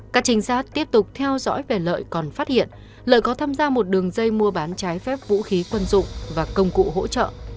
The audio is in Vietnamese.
các trinh sát tiếp tục theo dõi về lợi còn phát hiện lợi có tham gia một đường dây mua bán trái phép vũ khí quân dụng và công cụ hỗ trợ